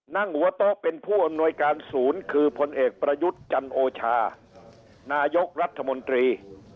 นั่งหัวโต๊ะเป็นผู้อำนวยการศูนย์คือพลเอกประยุทธ์จันโอชานายกรัฐมนตรี